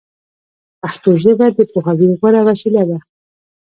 پښتو ژبه د پوهاوي غوره وسیله ده